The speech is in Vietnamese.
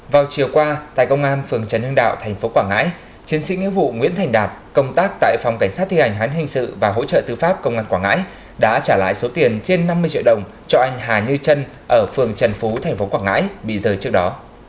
vào chiều qua tại công an phường trần hưng đạo thành phố quảng ngãi chiến sĩ nghĩa vụ nguyễn thành đạt công tác tại phòng cảnh sát thi hành án hình sự và hỗ trợ tư pháp công an quảng ngãi đã trả lại số tiền trên năm mươi triệu đồng cho anh hà như trân ở phường trần phú tp quảng ngãi bị rời trước đó